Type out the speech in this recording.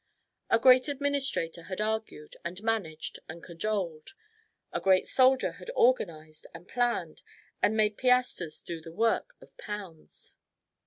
A great administrator had argued, and managed, and cajoled; a great soldier had organised and planned, and made piastres do the work of pounds.